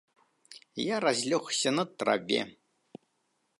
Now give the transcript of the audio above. Я разлёгся на траве.